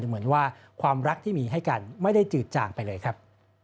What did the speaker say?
เหมือนว่าความรักที่มีให้กันไม่ได้จืดจ่างไปเลยครับ